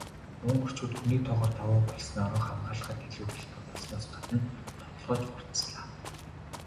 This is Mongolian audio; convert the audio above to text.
Унгарчууд хүний тоогоор давуу болсноороо хамгаалахад илүү хялбар болсноос гадна довтолгоо ч хурдаслаа.